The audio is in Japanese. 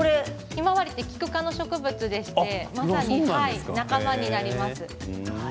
ヒマワリってキク科の植物でしてまさに仲間になります。